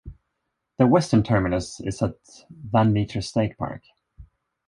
The western terminus is at Van Meter State Park.